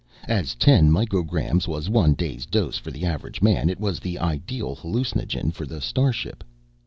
As ten micrograms was one day's dose for the average man, it was the ideal hallucinogen for a starship.